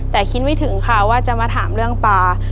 แต่คิดไม่ถึงค่ะว่าจะมาถามเรื่องปลา